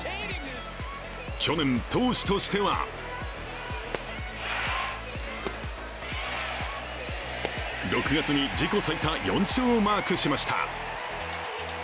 去年、投手としては６月で自己最多４勝をマークしました。